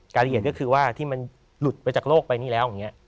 รายละเอียดก็คือว่าที่มันหลุดไปจากโลกไปนี่แล้วอย่างนี้